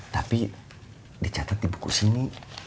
tapi dicatat di buku sini